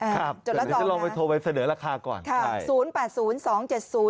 จดแล้วจอมค่ะเดี๋ยวหน่อยจะลองไปโทรไปเสนอราคาก่อน